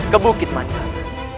ke bukit mandala